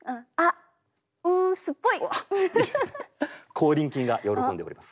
口輪筋が喜んでおります。